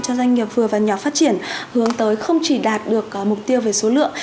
cho doanh nghiệp vừa và nhỏ phát triển hướng tới không chỉ đạt được mục tiêu về số lượng